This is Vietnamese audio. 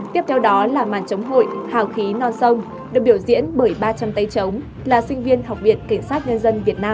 tiếp theo đó là màn chống hội hào khí non sông được biểu diễn bởi ba trăm linh tay chống là sinh viên học viện cảnh sát nhân dân việt nam